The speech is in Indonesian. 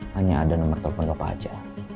hanya ada nomor telepon apa aja